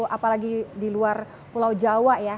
apalagi di luar pulau jawa ya